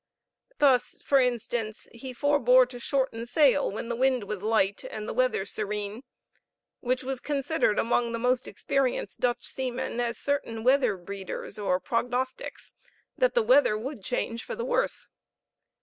Thus, for instance, he forbore to shorten sail when the wind was light and the weather serene, which was considered among the most experienced Dutch seamen as certain weather breeders, or prognostics, that the weather would change for the worse.